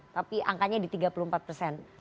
tapi angkanya di tiga puluh empat persen